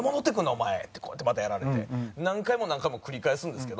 お前ってこうやってまたやられて何回も何回も繰り返すんですけど。